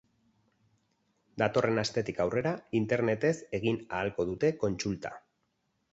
Datorren astetik aurrera, internetez egin ahalko dute kontsulta.